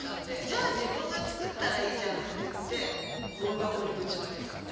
じゃあ自分が作ったらいいじゃないって言ってゴミ箱にぶちまけたの。